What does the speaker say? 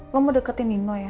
lo mau deketin nino ya